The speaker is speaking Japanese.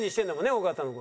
尾形の事。